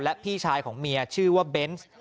และพี่ชายของเมียชื่อว่าเบนส์